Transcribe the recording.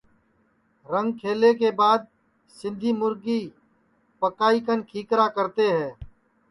رنگ کھلے کے بعد سندھی مُرگی پکائی کن کھیکرا کرتے ہے